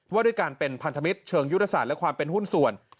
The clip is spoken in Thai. ว่าด้วยการเป็นพันธมิตรเชิงยุทธศาสตร์และความเป็นหุ้นส่วน